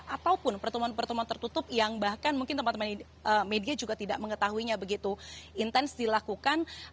ataupun pertemuan pertemuan tertutup yang bahkan mungkin teman teman media juga tidak mengetahuinya begitu intens dilakukan